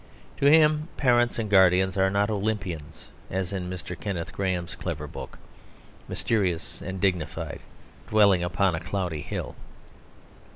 To him parents and guardians are not Olympians (as in Mr. Kenneth Grahame's clever book), mysterious and dignified, dwelling upon a cloudy hill.